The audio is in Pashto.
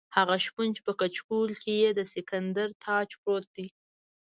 هغه شپون چې په کچکول کې یې د سکندر تاج پروت دی.